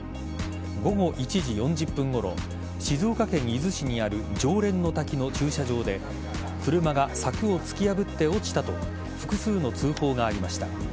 午後１時４０分ごろ静岡県伊豆市にある浄蓮の滝の駐車場で車が柵を突き破って落ちたと複数の通報がありました。